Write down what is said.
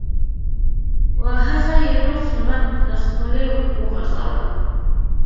و هغه یې روغ رمټ له خولې وغورځاوه.